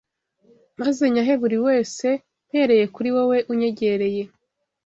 Maze nyahe buri wese mpereye kuri wowe unyegereye